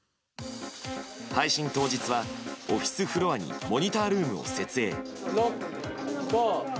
配信当日はオフィスフロアにモニタールームを設営。